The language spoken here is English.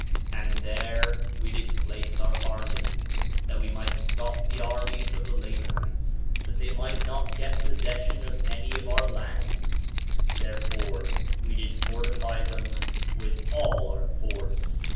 3:6 And there we did place our armies, that we might stop the armies of the Lamanites, that they might not get possession of any of our lands; therefore we did fortify against them with all our force.